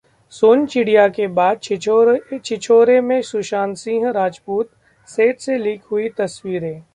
सोनचिड़िया के बाद छिछोरे में सुशांत सिंह राजपूत, सेट से लीक हुईं तस्वीरें